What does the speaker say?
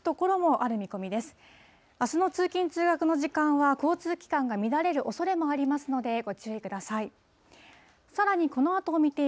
あすの通勤・通学の時間は、交通機関が乱れるおそれもありますので、ご注意ください。